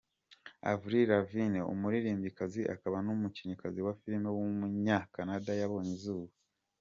Avril Lavigne, umuririmbyikazi, akaba n’umukinnyikazi wa film w’umunya-Canada yabonye izuba.